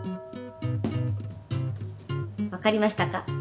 分かりましたか？